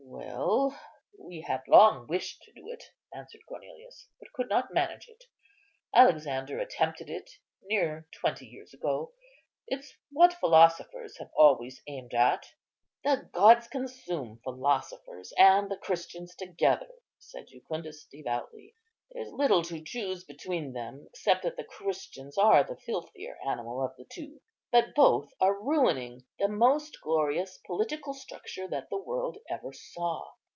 "Well, we had long wished to do it," answered Cornelius, "but could not manage it. Alexander attempted it near twenty years ago. It's what philosophers have always aimed at." "The gods consume philosophers and the Christians together!" said Jucundus devoutly. "There's little to choose between them, except that the Christians are the filthier animal of the two. But both are ruining the most glorious political structure that the world ever saw.